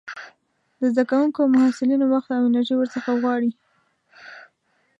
د زده کوونکو او محصلينو وخت او انرژي ورڅخه غواړي.